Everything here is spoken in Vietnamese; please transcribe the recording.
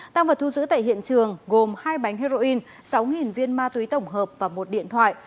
tăng vật thu giữ tại hiện trường gồm hai bánh heroin sáu viên ma túy tổng hợp và một điện thoại